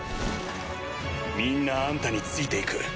みんなあんたについて行く。